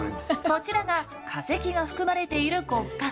こちらが化石が含まれている骨格。